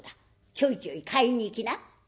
ちょいちょい買いに行きな。